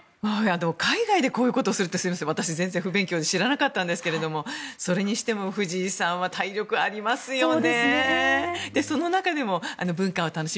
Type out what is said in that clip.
海外でこういうことをするって私、全然不勉強で知らなかったんですけれどそれにしても藤井さんは体力がありますよね。